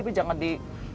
tapi jangan di